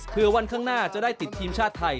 เพื่อวันข้างหน้าจะได้ติดทีมชาติไทย